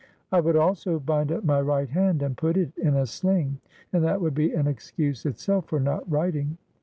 "I would also bind up my right hand and put it in a sling, and that would be an excuse itself for not writing."